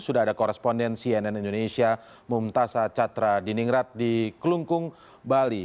sudah ada korespondensi cnn indonesia mumtazah chatra diningrat di kelungkung bali